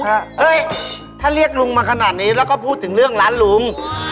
เฮ้ยถ้าเรียกลุงมาขนาดนี้แล้วก็พูดถึงเรื่องร้านลุง